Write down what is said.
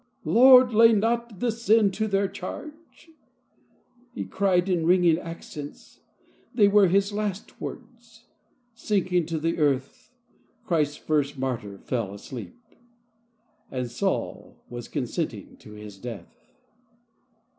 " Lord, lay not this sin to their charge," he cried in ringing accents. They were his last words. Sinking to the earth, Christ's first martyr " fell asleep." ^" And Saul was consenting to his death."